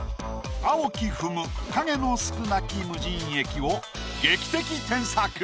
「青き踏む影の少なき無人駅」を劇的添削。